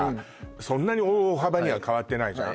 そんなに大幅には変わってないじゃん